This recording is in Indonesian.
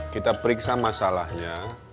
kita periksa masalahnya